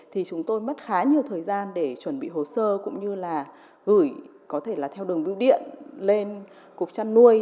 thì chúng tôi mất khá nhiều thời gian để chuẩn bị hồ sơ cũng như là gửi có thể là theo đường biêu điện lên cục chăn nuôi